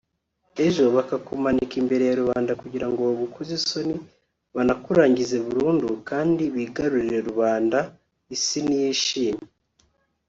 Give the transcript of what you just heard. ejo bakakumanika imbere ya rubanda kugirango bagukoze isoni banakurangize burundu kandi bigarurire rubanda isi niyishime